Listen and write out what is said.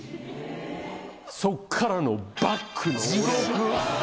そっからのバックの。